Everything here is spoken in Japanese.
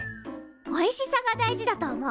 おいしさが大事だと思う。